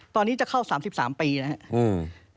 ตอนนี้จะเข้า๓๓ปีนะครับ